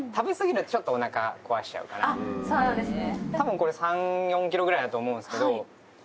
あっそうなんですね。